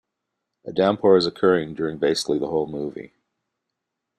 A downpour is occurring during basically the whole movie.